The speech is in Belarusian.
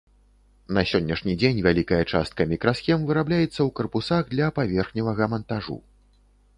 На сённяшні дзень вялікая частка мікрасхем вырабляецца ў карпусах для паверхневага мантажу.